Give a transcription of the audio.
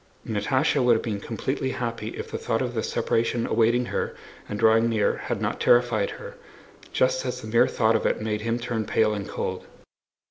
Natásha would have been completely happy if the thought of the separation awaiting her and drawing near had not terrified her, just as the mere thought of it made him turn pale and cold.